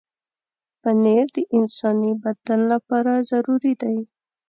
پنېر د انساني بدن لپاره ضروري دی.